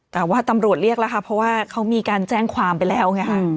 แต่ว่าตำรวจเรียกแล้วค่ะเพราะว่าเขามีการแจ้งความไปแล้วไงค่ะ